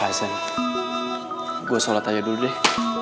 rasan gua sholat aja dulu deh